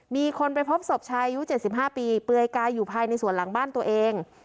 มีคนไปพบศพชายอายุ๗๕ปีเปลือยกายอยู่ภายในสวนหลังบ้านตัวเอง